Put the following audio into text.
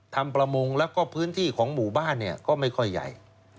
ประมงแล้วก็พื้นที่ของหมู่บ้านเนี่ยก็ไม่ค่อยใหญ่